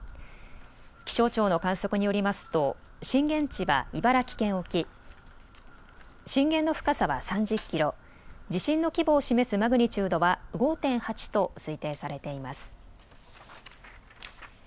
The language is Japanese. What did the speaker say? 気象庁の観測によりますと震源地は茨城県沖、震源の深さは３０キロ、地震の規模を示すマグニチュードは５．８と推定されています。